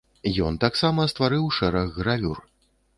Ён таксама стварыў шэраг гравюр.